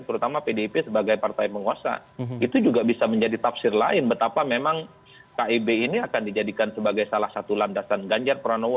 terutama pdip sebagai partai penguasa itu juga bisa menjadi tafsir lain betapa memang kib ini akan dijadikan sebagai salah satu landasan ganjar pranowo